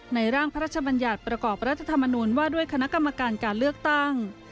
ร่างพระราชบัญญัติประกอบรัฐธรรมนุนว่าด้วยคณะกรรมการการเลือกตั้ง